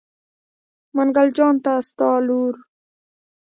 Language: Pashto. منګل جان ته ستا لور.